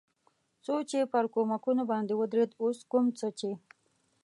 څو چې پر کومکونو باندې ودرېد، اوس کوم څه چې.